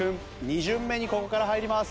２巡目にここから入ります。